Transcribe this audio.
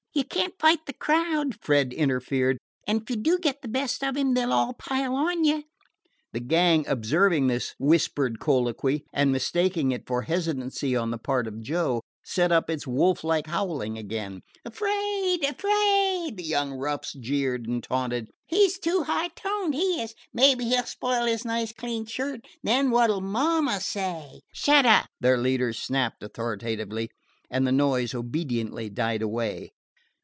"You can't fight the crowd," Fred interfered; "and if you do get the best of him they 'll all pile on you." The gang, observing this whispered colloquy, and mistaking it for hesitancy on the part of Joe, set up its wolf like howling again. "Afraid! afraid!" the young roughs jeered and taunted. "He 's too high toned, he is! Mebbe he 'll spoil his nice clean shirt, and then what 'll mama say?" "Shut up!" their leader snapped authoritatively, and the noise obediently died away.